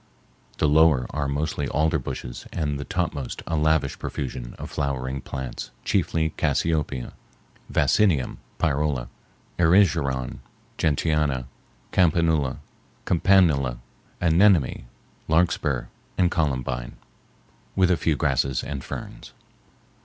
The lower are mostly alder bushes and the topmost a lavish profusion of flowering plants, chiefly cassiope, vaccinium, pyrola, erigeron, gentiana, campanula, anemone, larkspur, and columbine, with a few grasses and ferns.